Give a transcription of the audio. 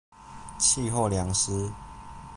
氣候涼溼